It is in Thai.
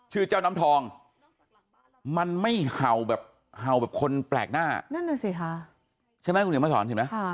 ชื่อเจ้าน้ำทองมันไม่เห่าแบบคนแปลกหน้าใช่ไหมคุณเหนียวมาสอน